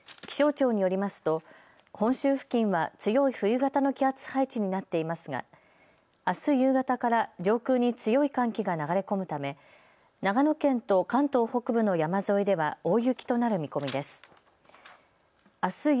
気象庁によりますと本州付近は強い冬型の気圧配置になっていますがあす夕方から上空に強い寒気が流れ込むため長野県と関東北部の山沿いでは大雪となる見込みです。